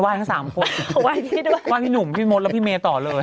ทั้งสามคนไหว้พี่ด้วยไห้พี่หนุ่มพี่มดแล้วพี่เมย์ต่อเลย